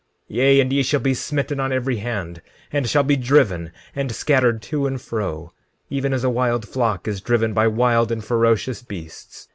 17:17 Yea, and ye shall be smitten on every hand, and shall be driven and scattered to and fro, even as a wild flock is driven by wild and ferocious beasts.